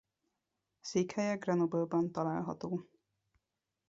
Székhelye Grenoble-ban található.